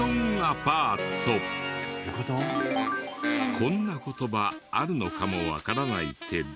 こんな言葉あるのかもわからないけど。